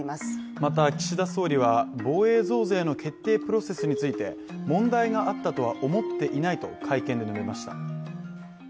また、岸田総理は防衛増税の決定プロセスについて問題があったとは思っていないと会見で述べました。